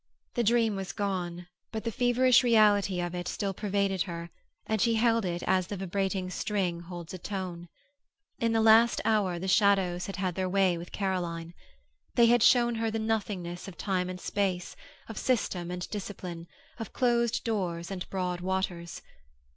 The dream was gone, but the feverish reality of it still pervaded her and she held it as the vibrating string holds a tone. In the last hour the shadows had had their way with Caroline. They had shown her the nothingness of time and space, of system and discipline, of closed doors and broad waters.